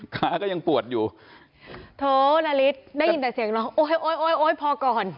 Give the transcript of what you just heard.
ขาก็ยังปวดอยู่โถนาริสได้ยินแต่เสียงน้องโอ๊ยพอก่อน